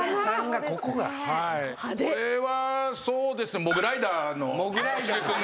これはそうですね。